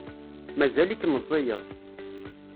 Mazal-ik meẓẓiyeḍ.